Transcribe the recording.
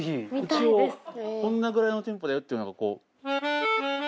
一応こんなぐらいのテンポだよっていうのがこう。